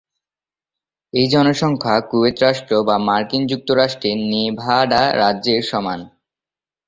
এই জনসংখ্যা কুয়েত রাষ্ট্র বা মার্কিন যুক্তরাষ্ট্রের নেভাডা রাজ্যের সমান।